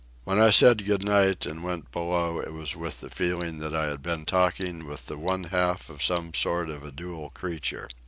When I said good night and went below it was with the feeling that I had been talking with the one half of some sort of a dual creature.